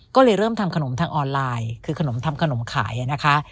ก็เลยเริ่มทำขนมทางออนไลน์คือขนมทำขนมขายนะคะ